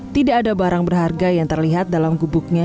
tidak ada barang berharga yang terlihat dalam gubuknya